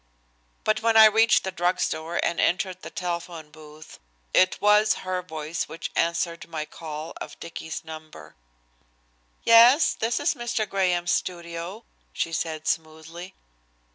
But when I reached the drug store and entered the telephone booth, it was her voice which answered my call of Dicky's number. "Yes, this is Mr. Graham's studio," she said smoothly.